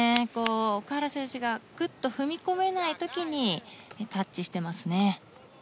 奥原選手がぐっと踏み込めない時にタッチしていますね。